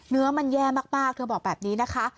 เนื้อมันแย่มากเธอบอกแบบนี้นะคะ